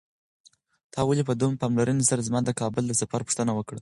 تا ولې په دومره پاملرنې سره زما د کابل د سفر پوښتنه وکړه؟